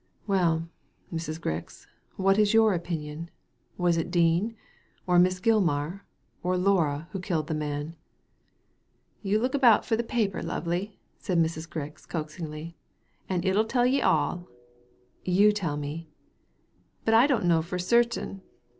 " Well, Mrs. Grix, what is your opinion ? Was it Dean, or Miss Gilmar, or Miss Laura who killed the man?" You look about for the paper, lovey," said Mrs. Grix, coaxingly, "and it'll tell ye all." "You tell me."' " But I don't know for certain."